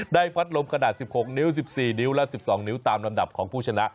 พัดลมขนาด๑๖นิ้ว๑๔นิ้วและ๑๒นิ้วตามลำดับของผู้ชนะ